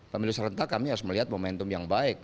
pemilu serentak kami harus melihat momentum yang baik